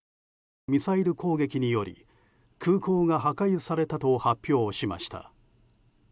ミサイル攻撃により空港が破壊されたと発表しました。